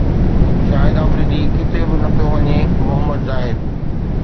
شاهد فريدي ڪٿي به نه پيو وڃي محمد زاهد